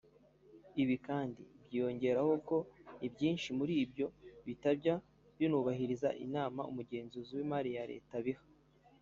Ibi kandi byiyongeraho ko ibyinshi muri byo bitajya binubahiriza inama umugenzuzi w’Imari ya Leta abiha